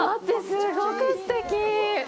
すごくすてき！